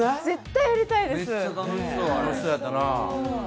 絶対やりたいです。